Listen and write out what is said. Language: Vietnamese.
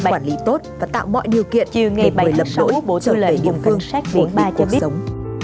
quản lý tốt và tạo mọi điều kiện để người lập đổi trở về địa phương ổn định cuộc sống